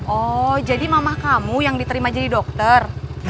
oh jadi mamah kamu yang diterima jadi dokter